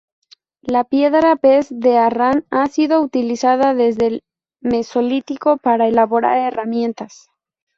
La piedra pez de Arran ha sido utilizada desde el Mesolítico para elaborar herramientas.